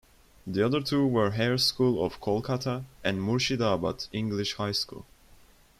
The other two were Hare School of Kolkata and Murshidabad English High School.